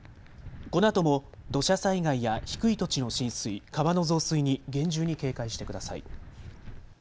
このあとも土砂災害や低い土地の浸水、川の増水に厳重に警戒してください。